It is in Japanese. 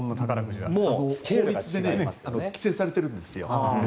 法律で規制されているんですよ。